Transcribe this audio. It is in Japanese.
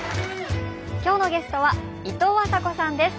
今日のゲストはいとうあさこさんです。